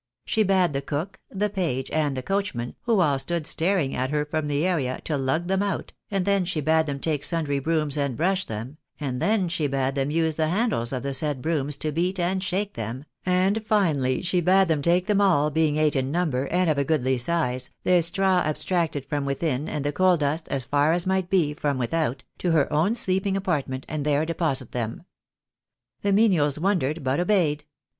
She bade the cook, the page, and the coachman, who all stood staring at her from the area, to lug them out, and then she bade them take sundry brooms and brush them, and then she bade them use the handles of the said brooms to beat and shake them, and finally she bade them take them all, being eight in number, and of a goodly size, their straw abstracted from within, and the coal dust, as far as might be, frorti without, to her own sleeping apartment and there deposit them. The menials wondered, but obeyed.